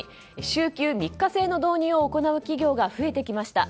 週休３日制の導入を行う企業が増えてきました。